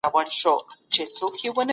مننه کول د انسان د ښو اخلاقو نښه ده.